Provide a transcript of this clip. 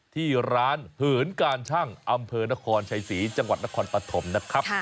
ที่ร้านเหินการชั่งอำเภอนครชัยศรีจังหวัดนครปฐมนะครับ